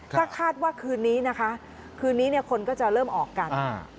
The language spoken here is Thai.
ก็คาดว่าคืนนี้นะคะคืนนี้เนี่ยคนก็จะเริ่มออกกัน